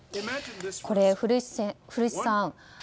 これ、古市さん